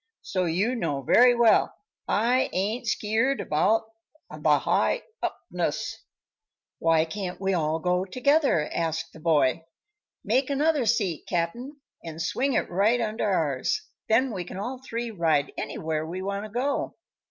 So you know very well I ain't skeert about the highupness." "Why can't we all go together?" asked the boy. "Make another seat, Cap'n, and swing it right under ours; then we can all three ride anywhere we want to go."